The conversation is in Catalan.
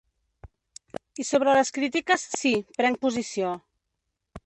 I sobre les crítiques, sí, prenc posició.